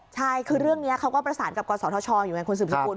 ใช่คือเรื่องนี้เขาก็ประสานกับกศธชอยู่ไงคุณสืบสกุล